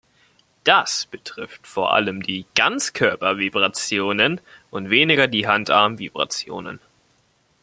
Das betrifft vor allem die Ganzkörper-Vibrationen und weniger die Hand-Arm-Vibrationen.